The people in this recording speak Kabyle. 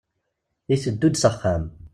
Iteddu-d s axxam.